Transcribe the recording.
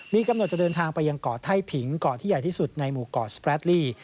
มีกำหนดจะเดินทางไปยังเกาะไท่ผิงเกาะที่ใหญ่ที่สุดในหมู่เกาะสแปรดลี่